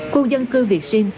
hai mươi ba khu dân cư việt sinh